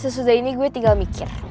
sesudah ini gue tinggal mikir